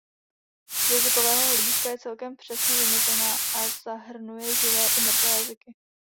Z jazykového hlediska je celkem přesně vymezena a zahrnuje živé i mrtvé jazyky.